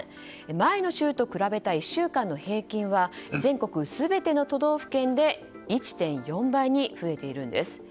前の週と比べた１週間の平均は全国全ての都道府県で１．４倍に増えているんです。